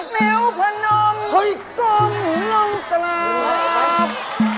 สิบนิ้วผนมกลมลงกลับ